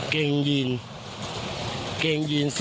เกรงยีน